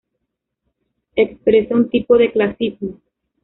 Expresa un tipo de clasismo.